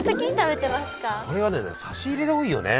これは差し入れで多いよね！